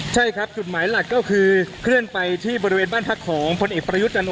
ทางกลุ่มมวลชนทะลุฟ้าทางกลุ่มมวลชนทะลุฟ้า